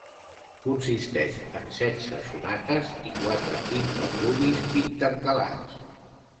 Consisteix en setze sonates i quatre interludis intercalats.